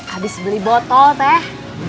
abis beli botol teh